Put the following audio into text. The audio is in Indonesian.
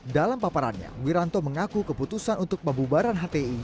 dalam paparannya wiranto mengaku keputusan untuk pembubaran hti